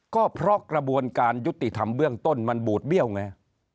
ก็เพราะกระบวนการยุติธรรมเบื้องต้นมันบูดเบี้ยวไง